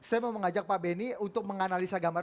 saya mau mengajak pak benny untuk menganalisa gambar